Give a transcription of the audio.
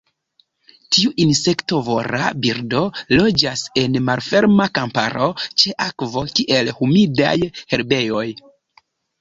Tiu insektovora birdo loĝas en malferma kamparo ĉe akvo, kiel humidaj herbejoj.